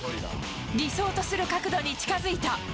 理想とする角度に近づいた。